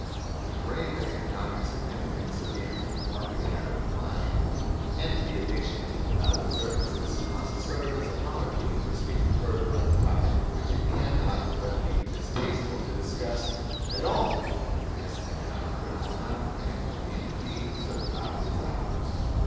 The grave economic significance of the anthropomorphic habit of mind and of the addiction to devout observances must serve as apology for speaking further on a topic which it can not but be distasteful to discuss at all as an economic phenomenon in a community so devout as ours.